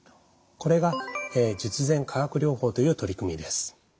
これが術前化学療法という取り組みです。